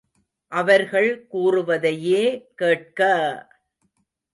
அவர்கள் கூறுவதையே கேட்க!